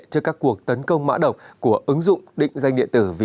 trước các cuộc tấn công mã độc của ứng dụng định danh điện tử vnei